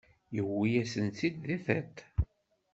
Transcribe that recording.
Yewwi-yasen-tt-id di tiṭ.